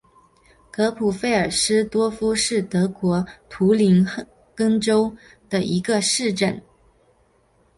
格普费尔斯多夫是德国图林根州的一个市镇。